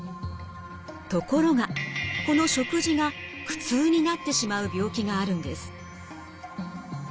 ところがこの食事が苦痛になってしまう病気があるんです。